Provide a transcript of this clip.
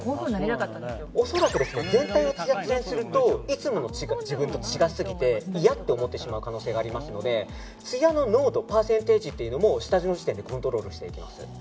恐らく、全体をツヤツヤにするといつもの自分と違ってきて嫌って思ってしまう可能性もありますのでつやの濃度、パーセンテージも下地の時点でコントロールしていきます。